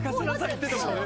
言ってたもんね。